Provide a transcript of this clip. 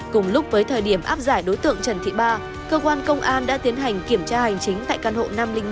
cùng lúc với thời điểm áp giải đối tượng trần thị ba cơ quan công an đã tiến hành kiểm tra hành chính tại căn hộ năm trăm linh một